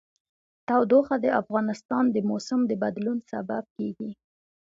تودوخه د افغانستان د موسم د بدلون سبب کېږي.